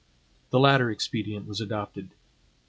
The latter expedient was adopted.